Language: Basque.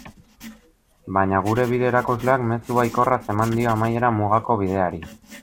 Baina gure bide-erakusleak mezu baikorraz eman dio amaiera Mugako Bideari.